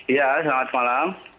iya selamat malam